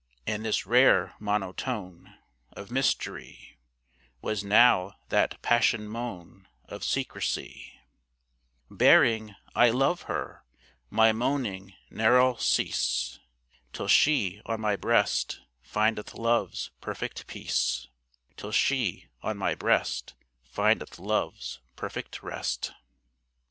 And this rare monotone Of mystery Was now that passion moan Of secrecy, Bearing, "I love her, My moaning ne'er'll cease Till she on my breast Findeth love's perfect peace; Till she on my breast Findeth love's perfect rest."